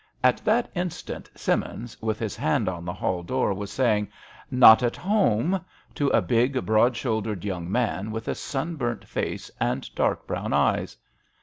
At that instant Simmins, with his hand on the hall door, was saying " Not at home •* to a big, broad shouldered young man, with a sun burnt face and dark brown eyes.